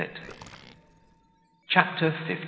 CHAPTER LII.